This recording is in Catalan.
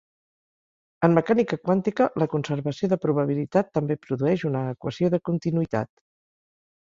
En mecànica quàntica, la conservació de probabilitat també produeix una equació de continuïtat.